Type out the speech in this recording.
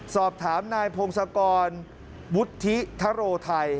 สอบถามนายพงศกรวุฒิทะโรไทย